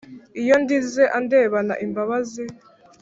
Iyo ndize andebana imbabazi